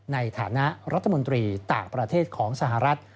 ในฐานะรัฐมนตรีต่างประเทศของสหรัฐ